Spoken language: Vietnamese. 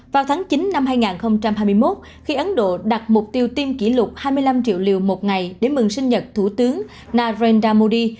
vào tháng chín năm hai nghìn hai mươi một khi ấn độ đặt mục tiêu tiêm kỷ lục hai mươi năm triệu liều một ngày để mừng sinh nhật thủ tướng narendra modi